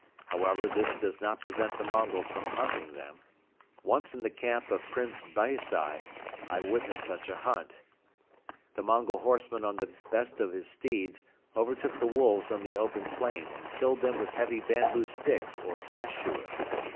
However, this does not prevent the Mongols from hunting them. Once in the camp of Prince Baysei I witnessed such a hunt. The Mongol horsemen on the best of his steeds overtook the wolves on the open plain and killed them with heavy bamboo sticks or tashur.